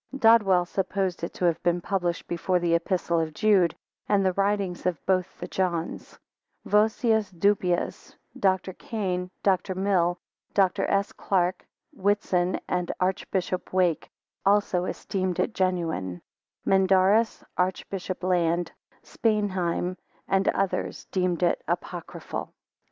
Dodwell supposed it to have been published before the Epistle of Jude, and the writings of both the Johns. Vossius, Dupuis, Dr. Cane, Dr. Mill, Dr, S. Clark, Whitson, and Archbishop Wake also esteemed it genuine: Menardus, Archbishop Land, Spanheim, and others deemed it apocryphal.